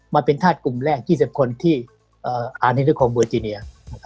มาเป็นธาตุกลุ่มแรก๒๐คนที่อด้านนึกของเมือร์จีเนีย